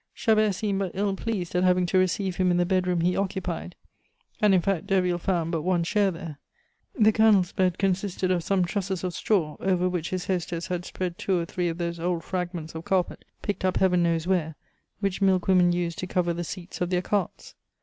Chabert seemed but ill pleased at having to receive him in the bed room he occupied; and, in fact, Derville found but one chair there. The Colonel's bed consisted of some trusses of straw, over which his hostess had spread two or three of those old fragments of carpet, picked up heaven knows where, which milk women use to cover the seats of their carts.